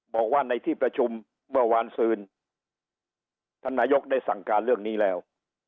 บอกว่าในที่ประชุมเมื่อวานซืนท่านนายกได้สั่งการเรื่องนี้แล้ว